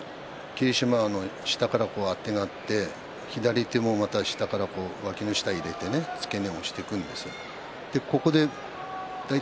霧島は下からあてがって左手もまた下からわきの下に入れて付け根を押していくんです。